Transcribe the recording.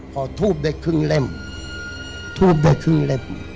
พอทูคได้ครึ่งเลม